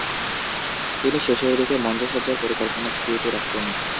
তিনি শেষের দিকে মঞ্চসজ্জার পরিকল্পনা ছবি এঁকে রাখতেন।